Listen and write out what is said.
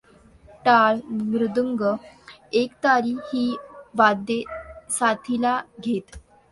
टाळ, मृदंग, एकतारी ही वाद्ये साथीला घेत.